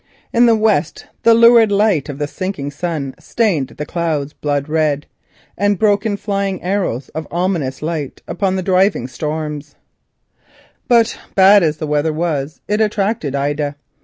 In the west the lurid rays of the sinking sun stained the clouds blood red, and broke in arrows of ominous light upon the driving storm. But bad as was the weather, it attracted Ida.